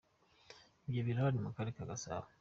Ibyo birahari mu karere ka Gasabo.